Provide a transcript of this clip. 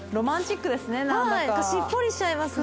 しっぽりしちゃいますね。